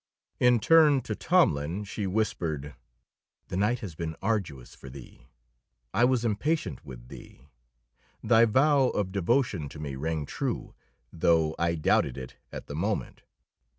In turn to Tomlin she whispered: "The night has been arduous for thee. I was impatient with thee. Thy vow of devotion to me rang true, though I doubted it at the moment.